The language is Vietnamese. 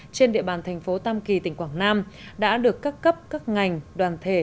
trên địa bàn thành phố tam kỳ tỉnh quảng nam đã được các cấp các ngành đoàn thể